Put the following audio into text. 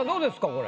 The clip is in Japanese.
これ。